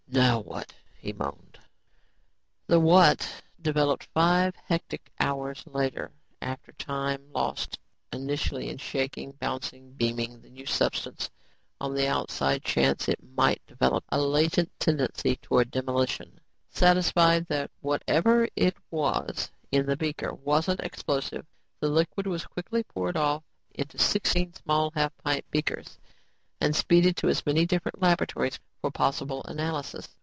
"Now what?" he moaned. The "what" developed twelve hectic hours later after time lost initially in shaking, bouncing and beaming the new substance on the outside chance it might develop a latent tendency towards demolition. Satisfied that whatever it was in the beaker wasn't explosive, the liquid was quickly poured off into sixteen small half pint beakers and speeded to as many different laboratories for possible analysis.